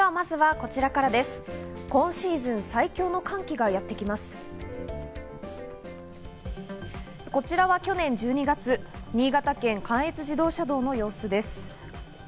こちらは去年１２月、新潟県関越自動車の様子です。